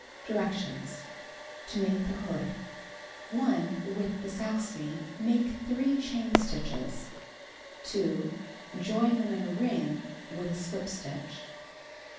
Directions: To Make the Hood. 1. With the Saxony, make 3 chain stitches. 2. Join them in a ring with a slip stitch.